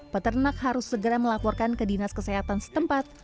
peternak harus segera melaporkan ke dinas kesehatan setempat